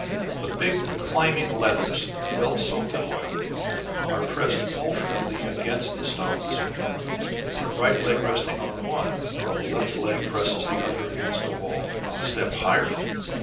The big climbing leathers, well soaked in oil, are pressed alternately against the stones, the right leg resting on one while the left leg presses the other against the wall a step higher.